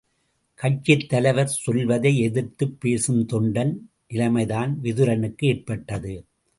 கட்சித் தலைவர் சொல்வதை எதிர்த்துப் பேசும் தொண்டன் நிலைமைதான் விதுரனுக்கு ஏற்பட்டது.